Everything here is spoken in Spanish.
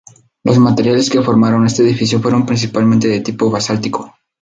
Los materiales que formaron este edificio fueron principalmente de tipo basáltico.